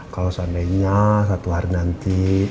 kalau seandainya satu hari nanti